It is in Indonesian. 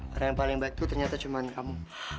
orang yang paling baik tuh ternyata cuma kamu